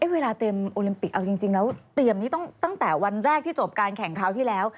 เวลาเตรียมโอลิมปิกเอาจริงแล้วเตรียมนี้ตั้งแต่วันแรกที่จบการแข่งคราวที่แล้ว